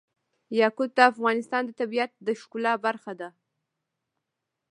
یاقوت د افغانستان د طبیعت د ښکلا برخه ده.